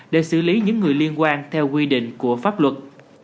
để xử lý những người liên quan theo quy định của pháp luật